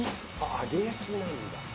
揚げ焼きなんだ。